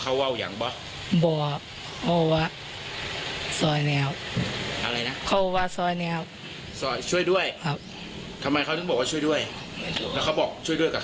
คือเขาบอกว่ากดตัวเขาด้วยนะพยายามเหมือนจะข่มขืนเขา